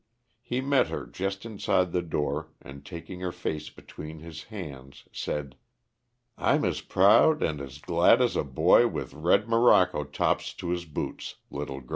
He met her just inside the door, and taking her face between his hands, said: "I'm as proud and as glad as a boy with red morocco tops to his boots, little girl."